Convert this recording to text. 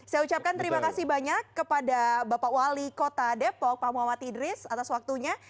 saya ucapkan terima kasih banyak kepada bapak wali kota depok pak muhammad idris atas waktunya